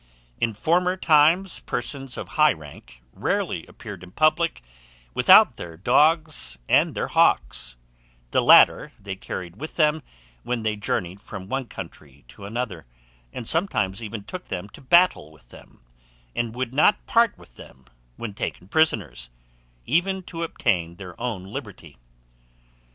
In former times, persons of high rank rarely appeared in public without their dogs and their hawks: the latter they carried with them when they journeyed from one country to another, and sometimes even took them to battle with them, and would not part with them when taken prisoners, even to obtain their own liberty.